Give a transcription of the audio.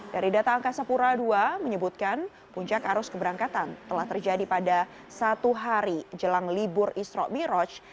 dari data angkasa pura ii menyebutkan puncak arus keberangkatan telah terjadi pada satu hari jelang libur isrobiroj